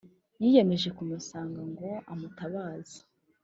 , yiyemeje kumusanga ngo amutabaze.